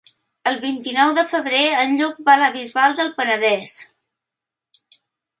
El vint-i-nou de febrer en Lluc va a la Bisbal del Penedès.